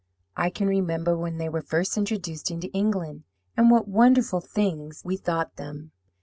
I can remember when they were first introduced into England, and what wonderful things we thought them.